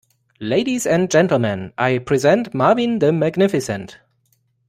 Ladies and gentlemen, I present Marvin the magnificent.